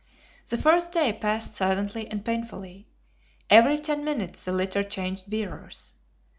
The first day passed silently and painfully. Every ten minutes the litter changed bearers.